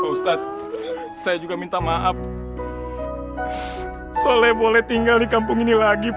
ustadz saya juga minta maaf soleh boleh tinggal di kampung ini lagi